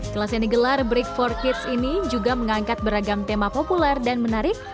kelas yang digelar break for kids ini juga mengangkat beragam tema populer dan menarik